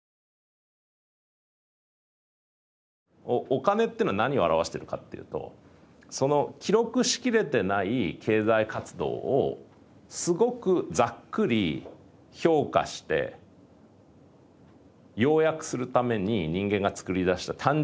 お金ってのは何を表してるかっていうとその記録しきれてない経済活動をすごくざっくり評価して要約するために人間が作り出した単純化の装置だと思うんですよ。